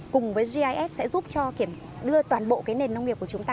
cùng với gis sẽ giúp cho kiểm đưa toàn bộ cái nền nông nghiệp của chúng ta